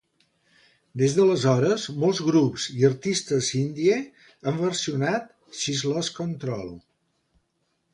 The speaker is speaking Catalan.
Des d'aleshores, molts grups i artistes indie han versionat She's Lost Control.